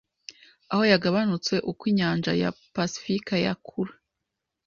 aho yagabanutse uko inyanja ya pasifika yakura